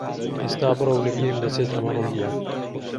ئێستا بڕۆ و لەبیرم دەچێت ئەمە ڕووی دا.